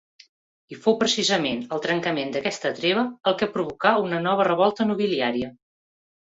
I fou precisament el trencament d'aquesta treva el que provocà una nova revolta nobiliària.